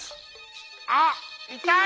「あっいたい！